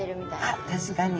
あっ確かに。